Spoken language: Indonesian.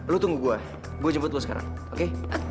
lu tunggu gue gue jemput lo sekarang oke